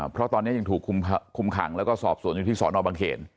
เพราะตอนนี้ยังถูกคุมขังแล้วก็สอบสวนอยู่ที่สอนอบังเขน